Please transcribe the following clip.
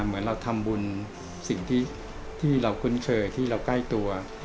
เหมือนเราทำบุญสิ่งที่เราคุ้นเคยที่เราใกล้ตัว